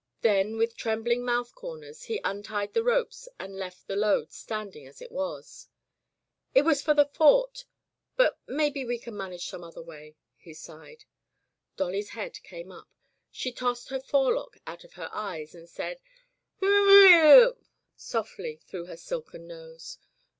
Then with trembling mouth corners he un tied the ropes and left the load standing as it was. "It was for the fort, but maybe we can manage some other way," he sighed. Dolly's head came up. She tossed her fore lock out of her eyes, and said "Houyhn hnm!" softly through her silken nose.